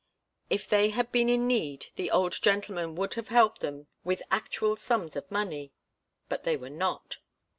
If they had been in need, the old gentleman would have helped them with actual sums of money. But they were not.